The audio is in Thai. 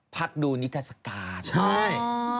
พักดูนิกัสกาใช้